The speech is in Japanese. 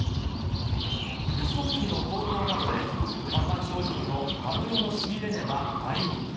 輸送費の高騰などで、看板商品のマグロの仕入れ値は倍に。